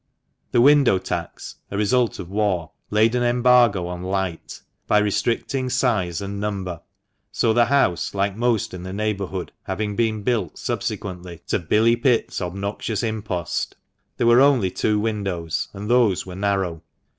The window tax — a result of war — laid an embargo on light, by restricting size and number, so the house, like most in the neighbourhood, having been built subsequently to "Billy Pitt's" obnoxious impost, there were only two windows, and those were narrow.